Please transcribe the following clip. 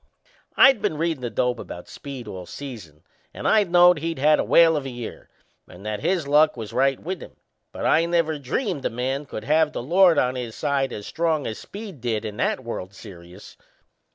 I'd been readin' the dope about Speed all season, and I knowed he'd had a whale of a year and that his luck was right with him; but I never dreamed a man could have the Lord on his side as strong as Speed did in that World's Serious!